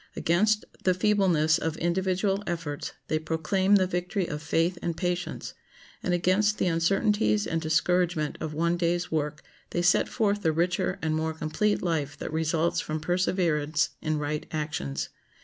Against the feebleness of individual efforts they proclaim the victory of faith and patience, and against the uncertainties and discouragement of one day's work they set forth the richer and more complete life that results from perseverance in right actions.